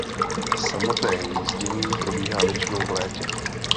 Samotné hnízdění probíhá většinou v létě.